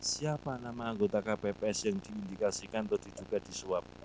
siapa nama anggota kpps yang diindikasikan atau diduga disuap